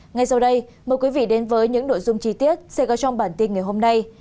ngay sau đây mời quý vị đến với những nội dung chi tiết sẽ có trong bản tin ngày hôm nay